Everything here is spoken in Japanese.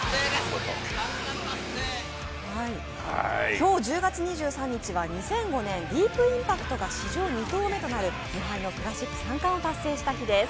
今日１０月２３日は２００５年、史上２頭目となる無敗のクラシック３冠を達成した日です。